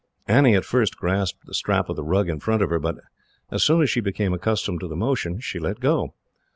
Annie at first grasped the strap of the rug in front of her, but as soon as she became accustomed to the motion, she let go.